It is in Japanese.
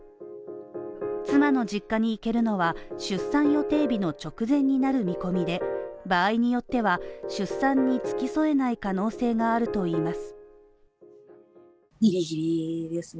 妻の実家に行けるのは出産予定日の直前になる見込みで、場合によっては出産に付き添えない可能性があるといいます。